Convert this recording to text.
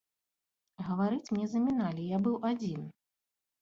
Гаварыць мне заміналі, я быў адзін.